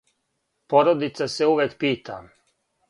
Породица се увек пита.